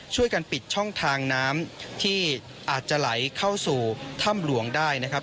ช่วยกันปิดช่องทางน้ำที่อาจจะไหลเข้าสู่ถ้ำหลวงได้นะครับ